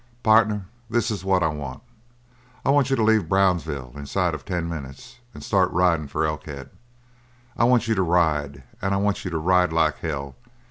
"Partner, this is what I want. I want you to leave Brownsville inside of ten minutes and start riding for Elkhead. I want you to ride, and I want you to ride like hell.